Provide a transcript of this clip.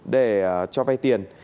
để cho vay tiền